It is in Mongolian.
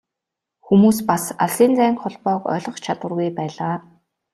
Хүмүүс бас алсын зайн холбоог ойлгох чадваргүй байлаа.